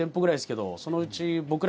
そのうち。